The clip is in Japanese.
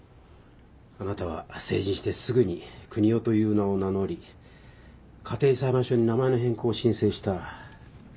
あなたは成人してすぐに邦夫という名を名乗り家庭裁判所に名前の変更を申請した。